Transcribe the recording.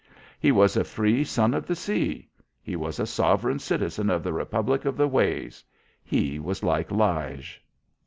He was a free son of the sea he was a sovereign citizen of the republic of the waves. He was like Lige.